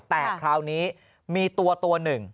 แต่คราวนี้มีตัวตัวหนึ่ง